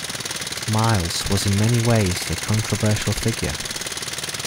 Miles was in many ways a controversial figure.